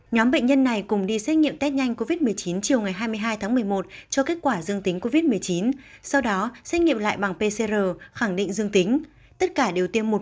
nhóm bệnh nhân này cùng đi xét nghiệm test nhanh covid một mươi chín chiều ngày hai mươi hai tháng một mươi một cho kết quả dương tính covid một mươi chín sau đó xét nghiệm lại bằng pcr khẳng định dương tính